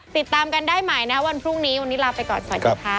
ติดตามกันได้ใหม่นะวันพรุ่งนี้วันนี้ลาไปก่อนสวัสดีค่ะ